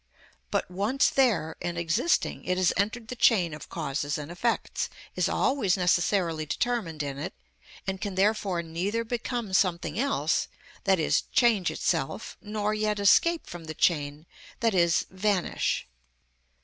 But once there and existing, it has entered the chain of causes and effects, is always necessarily determined in it, and can, therefore, neither become something else, i.e., change itself, nor yet escape from the chain, i.e., vanish.